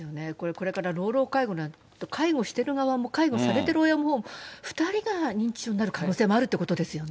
これから老々介護になると、介護してる側も介護されてる親も、２人が認知症になる可能性もあるっていうことですよね。